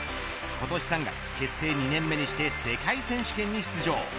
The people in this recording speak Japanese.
今年３月結成２年目にして世界選手権に出場